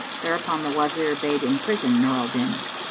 Thereupon the Wazir bade imprison Nur al Din.